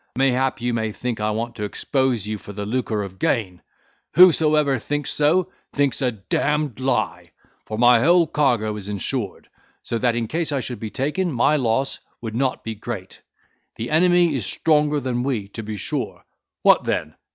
Mayhap you may think I want to expose you for the lucre of gain. Whosoever thinks so, thinks a d—ned lie, for my whole cargo is insured; so that, in case I should be taken, my loss would not be great. The enemy is stronger than we, to be sure. What then?